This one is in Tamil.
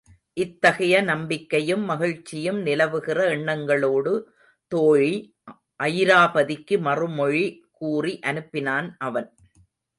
இத்தகைய நம்பிக்கையும் மகிழ்ச்சியும் நிலவுகிற எண்ணங்களோடு தோழி அயிராபதிக்கு மறுமொழி கூறி அனுப்பினான் அவன்.